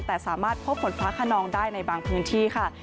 แต่สามารถพบฝนฟ้าขนองได้ในบางพื้นที่ค่ะ